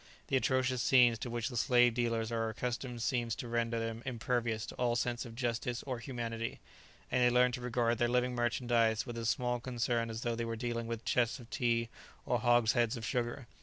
The atrocious scenes to which the slave dealers are accustomed seems to render them impervious to all sense of justice or humanity, and they learn to regard their living merchandize with as small concern as though they were dealing with chests of tea or hogsheads of sugar.